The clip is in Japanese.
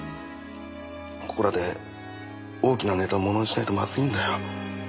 ここらで大きなネタをものにしないとまずいんだよ。